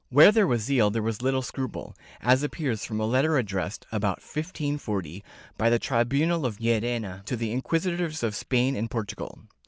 Where there was zeal there was little scruple, as appears from a letter addressed, about 1540, by the tribunal of Llerena to all the inquisitors of Spain and Portugal.